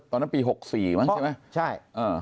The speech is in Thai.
ตอนนั้นปี๖๔มั้งใช่ไหมใช่